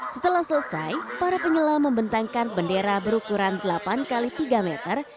setelah selesai para penyelam membentangkan bendera berukuran delapan x tiga meter